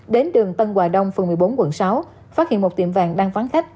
đến đường tân hòa đông phường một mươi bốn quận sáu phát hiện một tiệm vàng đang vắng khách